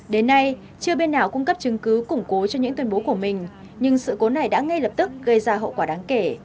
đến nay chưa bên nào cung cấp chứng cứ củng cố cho những tuyên bố của mình nhưng sự cố này đã ngay lập tức gây ra hậu quả đáng kể